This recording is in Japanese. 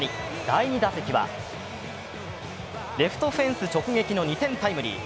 第２打席はレフトフェンス直撃の２点タイムリー。